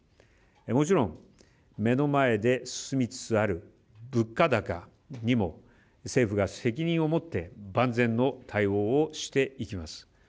もちろん、目の前で進みつつある物価高にも政府が責任を持って万全の対応をしていきます。